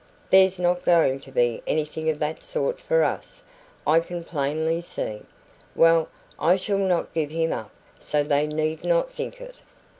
There's not going to be anything of that sort for us, I can plainly see. Well, I shall not give him up, so they need not think it....